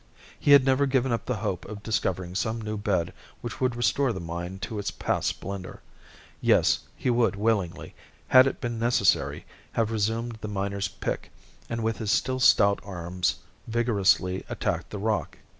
He had never given up the hope of discovering some new bed which would restore the mine to its past splendor. Yes, he would willingly, had it been necessary, have resumed the miner's pick, and with his still stout arms vigorously attacked the rock.